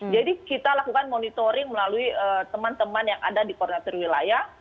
jadi kita lakukan monitoring melalui teman teman yang ada di koordinator wilayah